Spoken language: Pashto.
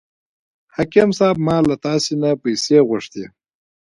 حاکم صاحب ما له تاسې نه پیسې غوښتې.